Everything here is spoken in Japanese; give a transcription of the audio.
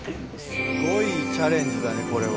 すごいチャレンジだねこれは。